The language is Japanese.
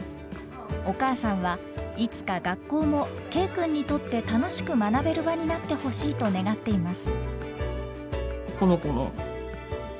お母さんはいつか学校もＫ君にとって楽しく学べる場になってほしいと願っています。